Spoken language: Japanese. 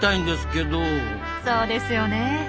そうですよねえ。